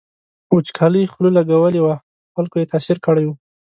وچکالۍ خوله لګولې وه په خلکو یې تاثیر کړی و.